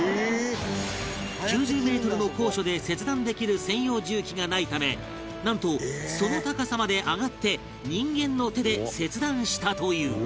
９０メートルの高所で切断できる専用重機がないためなんとその高さまで上がって人間の手で切断したという